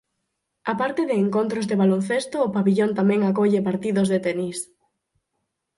A parte de encontros de baloncesto o pavillón tamén acolle partidos de tenis.